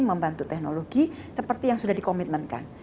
membantu teknologi seperti yang sudah dikomitmenkan